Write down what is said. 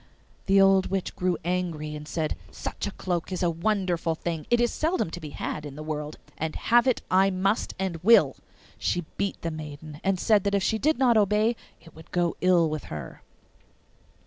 The old witch grew angry, and said, 'Such a cloak is a wonderful thing, it is seldom to be had in the world, and have it I must and will.' She beat the maiden, and said that if she did not obey it would go ill with her.